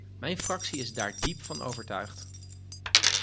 Mijn fractie is daar diep van overtuigd.